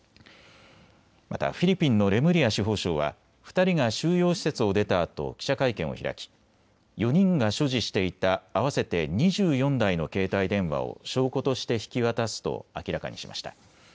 またフィリピンのレムリア司法相は２人が収容施設を出たあと記者会見を開き、４人が所持していた合わせて２４台の携帯電話を証拠として引き渡すと明らかにしました。